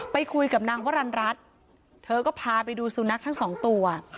ไปคุยกับนางวรรณรัฐเธอก็พาไปดูสุนัขทั้งสองตัว